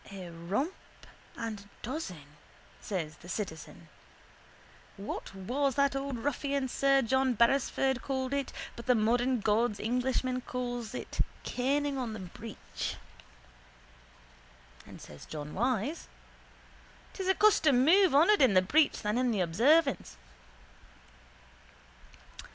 —A rump and dozen, says the citizen, was what that old ruffian sir John Beresford called it but the modern God's Englishman calls it caning on the breech. And says John Wyse: —'Tis a custom more honoured in the breach than in the observance.